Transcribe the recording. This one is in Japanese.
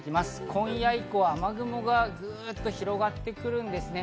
今夜以降、雨雲がグっと広がってくるんですね。